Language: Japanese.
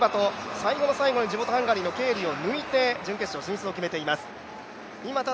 最後の最後、地元・ハンガリーのケーリを抜いて、準決勝進出を決めました。